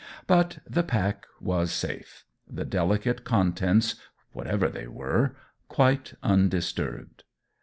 But the pack was safe the delicate contents, whatever they were, quite undisturbed.